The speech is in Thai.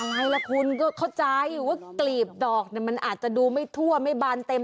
อะไรล่ะคุณก็เข้าใจว่ากลีบดอกเนี่ยมันอาจจะดูไม่ทั่วไม่บานเต็ม